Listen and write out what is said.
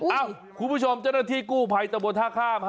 เอ้าคุณผู้ชมเจ้าหน้าที่กู้ภัยตะบนท่าข้าม